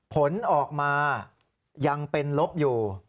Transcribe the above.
ผลออกมายังเป็นลบอยู่